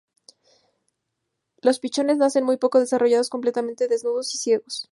Los pichones nacen muy poco desarrollados, completamente desnudos y ciegos.